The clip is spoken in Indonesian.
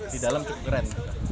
di dalam cukup keren